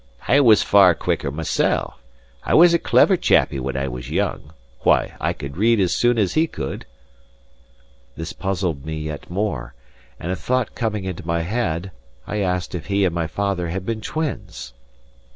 "I was far quicker mysel'; I was a clever chappie when I was young. Why, I could read as soon as he could." This puzzled me yet more; and a thought coming into my head, I asked if he and my father had been twins.